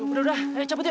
udah udah ayo cepet yuk